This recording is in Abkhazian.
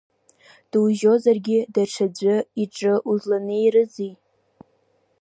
Дузыжьозаргьы даҽаӡәы иҿы узланеирызи?!